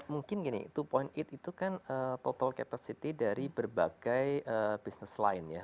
mungkin gini dua itu kan total capacity dari berbagai business line ya